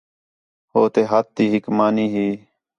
ہو تے ہتھ تی ہِک مانی ہی